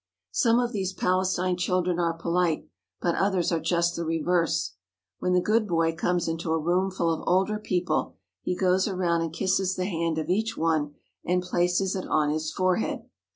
Some of these Palestine children are polite, but others are just the reverse. When the good boy comes into a room full of older people he goes around and kisses the hand of each one and places it on his forehead.